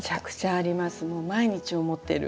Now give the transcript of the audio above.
もう毎日思ってる。